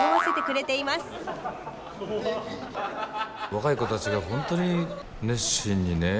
若い子たちが本当に熱心にね